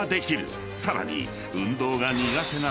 ［さらに］